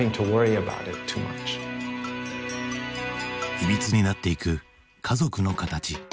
いびつになっていく家族の形。